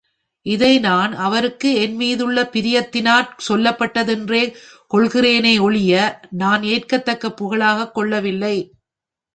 இதை நான் அவருக்கு என் மீதுள்ள பிரியத்தினாற் சொல்லப்பட்டதென்றே கொள்கிறேனே யொழிய, நான் ஏற்கத்தக்க புகழாகக் கொள்ளவில்லை.